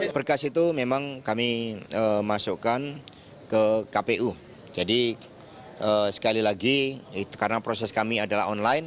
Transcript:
berkas itu memang kami masukkan ke kpu jadi sekali lagi karena proses kami adalah online